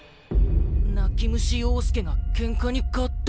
泣き虫洋介がけんかに勝った！